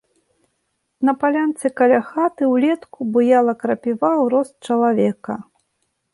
На палянцы каля хаты ўлетку буяла крапіва ў рост чалавека.